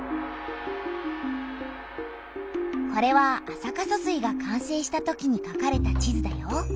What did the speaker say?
これは安積疏水が完成したときにかかれた地図だよ。